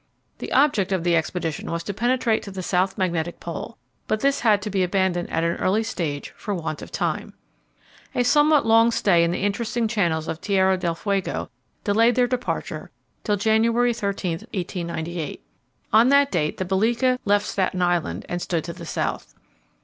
The object of the expedition was to penetrate to the South Magnetic Pole, but this had to be abandoned at an early stage for want of time. A somewhat long stay in the interesting channels of Tierra del Fuego delayed their departure till January 13, 1898. On that date the Belgica left Staten Island and stood to the South.